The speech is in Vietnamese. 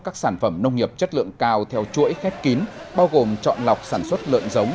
các sản phẩm nông nghiệp chất lượng cao theo chuỗi khép kín bao gồm chọn lọc sản xuất lợn giống